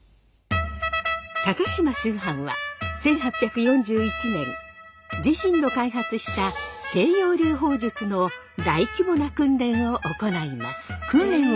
高島秋帆は１８４１年自身の開発した西洋流砲術の大規模な訓練を行います。